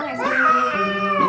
terima kasih do